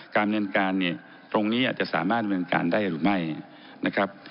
ดำเนินการเนี่ยตรงนี้อาจจะสามารถดำเนินการได้หรือไม่นะครับ